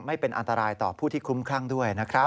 ไม่เป็นอันตรายต่อผู้ที่คุ้มคลั่งด้วยนะครับ